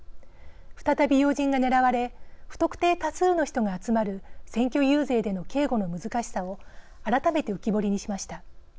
再び要人が狙われ不特定多数の人が集まる選挙遊説での警護の難しさを改めて浮き彫りにしました。